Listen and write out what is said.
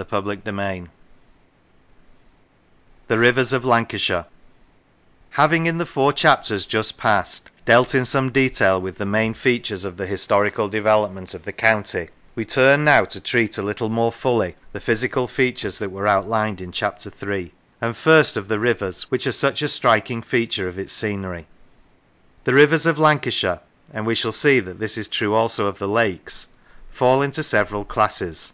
113 p CHAPTER VIII THE RIVERS OF LANCASHIRE HAVING, in the four chapters just passed, dealt in some detail with the main features of the historical develop ment of the county, we turn now to treat a little more fully the physical features that were outlined in Chapter III. And first of the rivers, which are such a striking feature of its scenery. The rivers of Lancashire, and we shall see that this is true also of the lakes, fall into several classes.